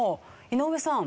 井上さん。